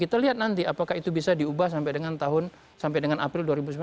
kita lihat nanti apakah itu bisa diubah sampai dengan tahun sampai dengan april dua ribu sembilan belas